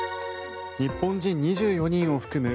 日本人２４人を含む